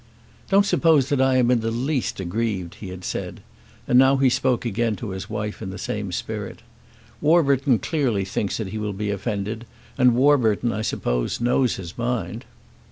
"Don't suppose that I am in the least aggrieved," he had said. And now he spoke again to his wife in the same spirit. "Warburton clearly thinks that he will be offended, and Warburton, I suppose, knows his mind."